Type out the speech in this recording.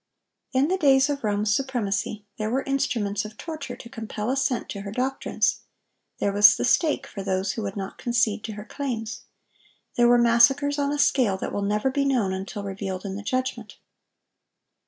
In the days of Rome's supremacy, there were instruments of torture to compel assent to her doctrines. There was the stake for those who would not concede to her claims. There were massacres on a scale that will never be known until revealed in the judgment.